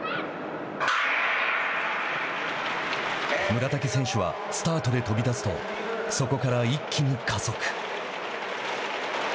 村竹選手はスタートで飛び出すとそこから一気に加速。